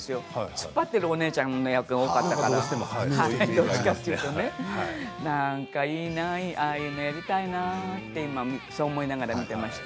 突っ張っているお姉ちゃんの役が多かったからどっちかと言うとねなんかいいなああいうのやりたいなって今、そう思いながら見てました。